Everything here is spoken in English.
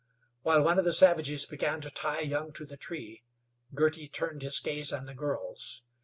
While one of the savages began to tie Young to the tree, Girty turned his gaze on the girls.